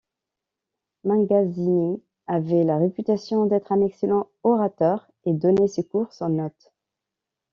Mingazzini avait la réputation d'être un excellent orateur et donnait ses cours sans notes.